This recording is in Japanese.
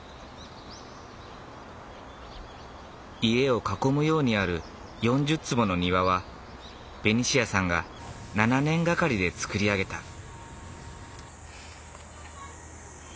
家を囲むようにある４０坪の庭はベニシアさんが７年がかりで造り上げた。